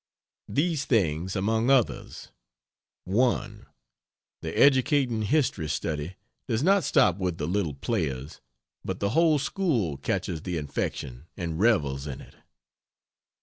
These things among others; 1. The educating history study does not stop with the little players, but the whole school catches the infection and revels in it.